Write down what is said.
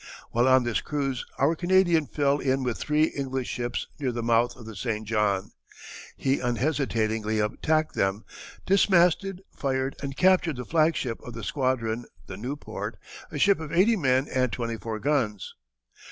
While on this cruise our Canadian fell in with three English ships near the mouth of the St. John. He unhesitatingly attacked them, dismasted, fired, and captured the flag ship of the squadron, the Newport, a ship of eighty men and twenty four guns.